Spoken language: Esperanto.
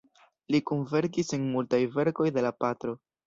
Li kunverkis en multaj verkoj de la patro.